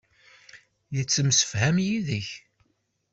Yettemsefham yid-k.